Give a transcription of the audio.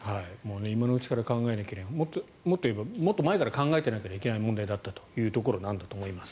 今のうちから考えないともっと言えば前から考えておかないといけない問題だったというところなんだと思います。